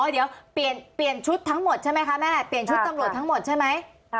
เดี๋ยวเปลี่ยนชุดทั้งหมดใช่ไหมคะแม่เปลี่ยนชุดตำรวจทั้งหมดใช่ไหม